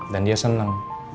dan dia senang